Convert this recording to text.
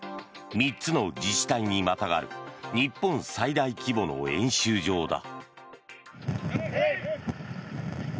３つの自治体にまたがる日本最大規模の演習場だ。